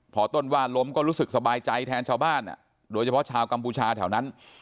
พอต้นว่านล้มก็รู้สึกสบายใจแทนชาวบ้านโดยเฉพาะชาวกัมพูชาแถวนั้น